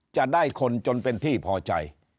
จะได้คนจนเป็นที่พอใจ